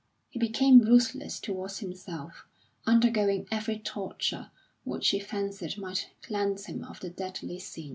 He became ruthless towards himself, undergoing every torture which he fancied might cleanse him of the deadly sin.